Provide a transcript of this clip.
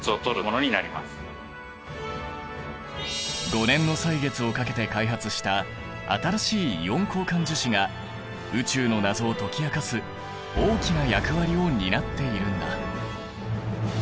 ５年の歳月をかけて開発した新しいイオン交換樹脂が宇宙の謎を解き明かす大きな役割を担っているんだ。